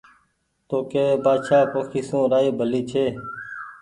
تو ڪيوي بآڇآ پوکي سون رآئي ڀلي ڇي